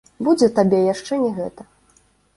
Будзе табе яшчэ не гэта.